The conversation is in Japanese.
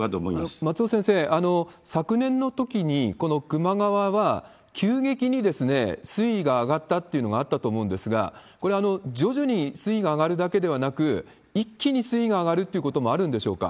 松尾先生、昨年のときに、この球磨川は急激に水位が上がったっていうのがあったと思うんですが、これは徐々に水位が上がるだけではなく、一気に水位が上がるということもあるんでしょうか？